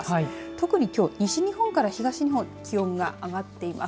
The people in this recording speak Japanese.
特にきょう西日本から東日本気温が上がっています。